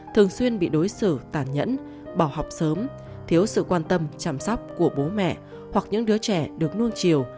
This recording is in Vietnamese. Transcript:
thường xuyên bị đối xử tàn nhẫn bỏ học sớm thiếu sự quan tâm chăm sóc của bố mẹ hoặc những đứa trẻ được nôn chiều